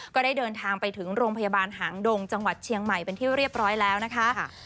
ก็ได้เดินทางไปถึงโรงพยาบาลหางดงจังหวัดเชียงใหม่เป็นที่เรียบร้อยแล้วนะคะ